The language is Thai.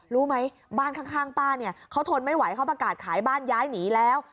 รู้ไหมบ้านข้างป้าเนี่ยเขาทนไม่ไหวเขาประกาศขายบ้านย้ายหนีแล้ว